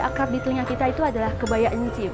akrab di telinga kita itu adalah kebaya encim